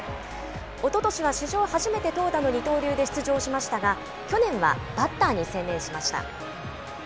おととしは史上初めて投打の二刀流で出場しましたが、去年はバッターに専念しました。